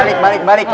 udah balik balik